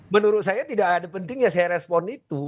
menurut saya tidak ada pentingnya saya respon itu